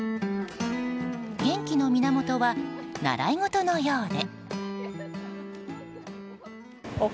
元気の源は、習い事のようで。